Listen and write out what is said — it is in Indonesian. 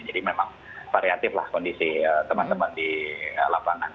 jadi memang variatiflah kondisi teman teman di lapangan